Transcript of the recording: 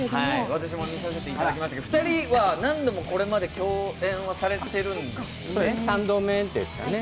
私も見させていただきましたけど２人は何度もこれまで共演はされてるんですよね？